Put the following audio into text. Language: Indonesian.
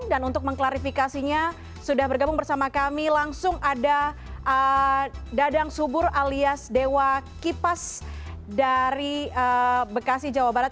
dan untuk mengklarifikasinya sudah bergabung bersama kami langsung ada dadang subur alias dewa kipas dari bekasi jawa barat